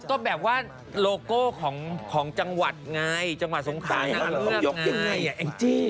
ก็แบบว่าโลโก้ของจังหวัดไงจังหวัดสงครานางเงือกไง